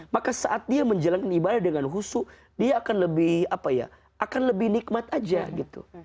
maka saat dia menjalankan ibadah dengan husu dia akan lebih nikmat aja gitu